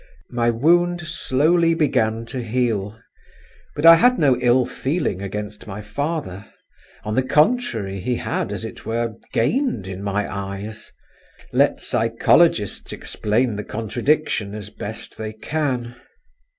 My wound slowly began to heal; but I had no ill feeling against my father. On the contrary he had, as it were, gained in my eyes … let psychologists explain the contradiction as best they can.